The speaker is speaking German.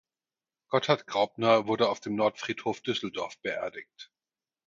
Gotthard Graubner wurde auf dem Nordfriedhof Düsseldorf beerdigt.